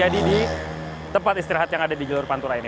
di tempat istirahat yang ada di jalur pantura ini